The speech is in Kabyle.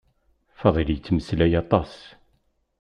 Faḍil yettmeslay aṭas.